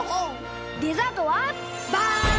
デザートはバン！